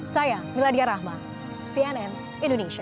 saya miladia rahma cnn indonesia